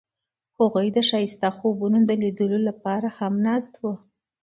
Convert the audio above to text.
هغوی د ښایسته خوبونو د لیدلو لپاره ناست هم وو.